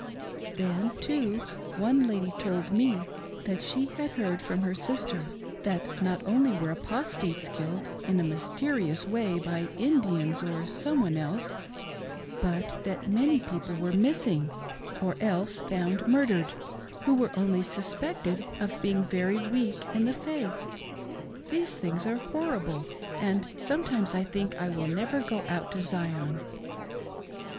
Then, too, one lady told me that she had heard from her sister that not only were apostates killed in a mysterious way by Indians or some one else, but that many people were "mis r/O THE MORMON EMIGRATION. sing," or else found murdered, who were only suspects of being very weak in the faith. These things are horrible, and sometimes I think I will never go out to Zion."